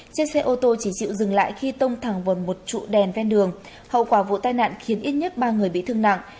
chiếc xe ô tô chỉ chịu dừng lại khi tông thẳng vào một trụ đèn ven đường hậu quả vụ tai nạn khiến ít nhất ba người bị thương nặng